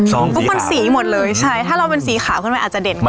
ทุกคนสีหมดเลยใช่ถ้าเราเป็นสีขาวขึ้นไปอาจจะเด่นกว่า